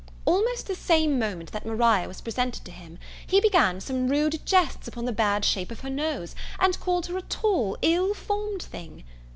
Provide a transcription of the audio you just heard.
Almost the same moment that Maria was presented to him, he began some rude jests upon the bad shape of her nose, and called her a tall ill formed thing.